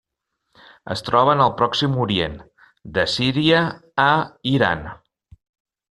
Es troben al Pròxim Orient, de Síria a Iran.